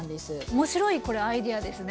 面白いこれアイデアですね。